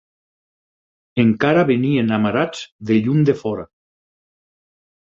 Encara venien amarats de llum de fora